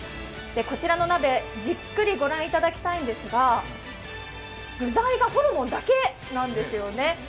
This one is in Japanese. こちらの鍋、じっくりご覧いただきたいんですが、具材がホルモンだけなんですよね。